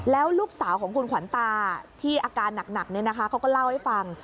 แล้วลูกสาวของคุณขวัญตาที่อาการหนักเขาก็เล่าให้ฟัง